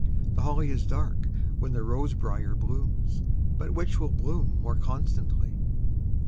The holly is dark when the rose briar blooms, But which will bloom most constantly?